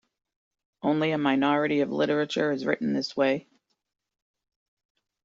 Only a minority of literature is written this way.